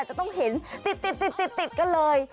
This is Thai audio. จะต้องเห็นติดกันเลย